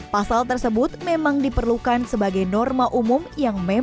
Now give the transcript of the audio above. pasal tersebut memang diperlukan sebagai norma umum yang memang